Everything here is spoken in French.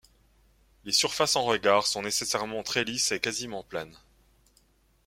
Les surfaces en regard sont nécessairement très lisses et quasiment planes.